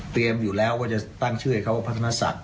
เตรียมอยู่แล้วว่าจะตั้งชื่อให้เขาว่าพัฒนศักดิ์